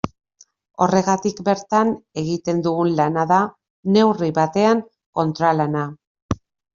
Horregatik bertan egiten dugun lana da, neurri batean, kontralana.